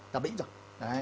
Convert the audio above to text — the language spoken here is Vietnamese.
đã bị rồi